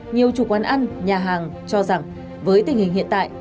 nhiều chủ quán ăn nhà hàng cho rằng với tình hình hiện tại